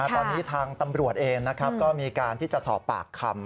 ตอนนี้ทางตำรวจเองก็มีการที่จะสอบปากคำ